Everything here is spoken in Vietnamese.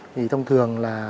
thì thông thường là